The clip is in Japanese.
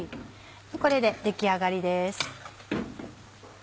これで出来上がりです。